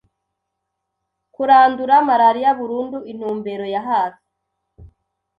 Kurandura malaria burundu – intumbero ya hafi